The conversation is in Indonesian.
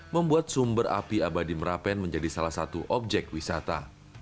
membuat sumber api abadi merapen menjadi salah satu objek wisata